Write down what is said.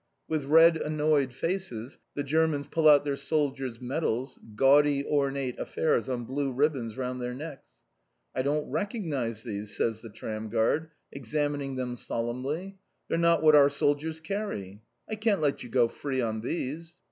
With red annoyed faces the Germans pull out their soldiers' medals, gaudy ornate affairs on blue ribbons round their necks. "I don't recognise these," says the tram guard, examining them solemnly. "They're not what our soldiers carry. I can't let you go free on these."